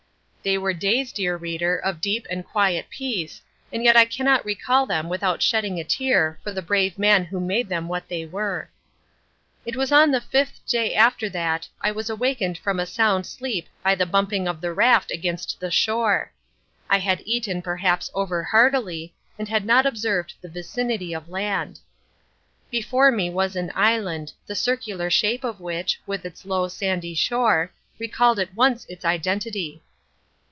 They were days, dear reader, of deep and quiet peace, and yet I cannot recall them without shedding a tear for the brave man who made them what they were. It was on the fifth day after that I was awakened from a sound sleep by the bumping of the raft against the shore. I had eaten perhaps overheartily, and had not observed the vicinity of land. Before me was an island, the circular shape of which, with its low, sandy shore, recalled at once its identity.